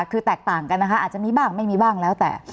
คือแตกต่างกันนะคะอาจจะมีบ้างไม่มีบ้างแล้วแต่